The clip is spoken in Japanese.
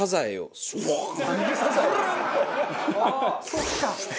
そっか。